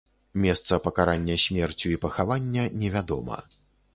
Месца пакарання смерцю і пахавання невядома.